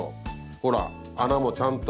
ほら穴もちゃんと。